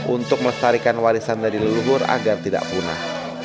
untuk melestarikan warisan dari leluhur agar tidak punah